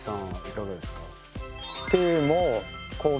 いかがですか？